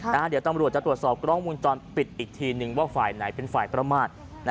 เดี๋ยวตำรวจจะตรวจสอบกล้องวงจรปิดอีกทีนึงว่าฝ่ายไหนเป็นฝ่ายประมาท